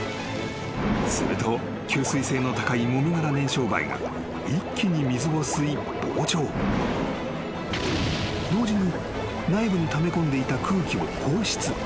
［すると吸水性の高いもみ殻燃焼灰が一気に水を吸い膨張］［同時に内部にため込んでいた空気を放出］